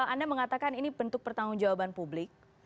anda mengatakan ini bentuk pertanggung jawaban publik